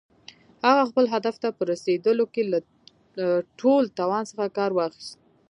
هغه خپل هدف ته په رسېدلو کې له ټول توان څخه کار واخيست.